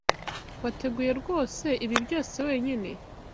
Wateguye rwose ibi byose wenyine?